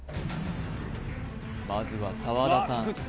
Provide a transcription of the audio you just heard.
まずは澤田さん